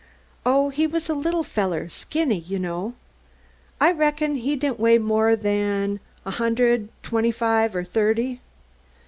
"Oh, he was a little feller skinny, you know. I reckon he didn't weigh no more'n a hundred an' twenty five or thirty."